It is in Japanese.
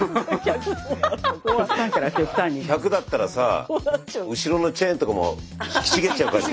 １００だったらさ後ろのチェーンとかも引きちぎっちゃう感じ？